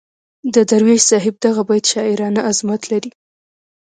د درویش صاحب دغه بیت شاعرانه عظمت لري.